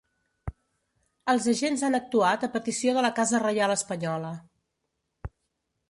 Els agents han actuat a petició de la casa reial espanyola.